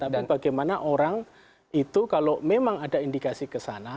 tapi bagaimana orang itu kalau memang ada indikasi kesana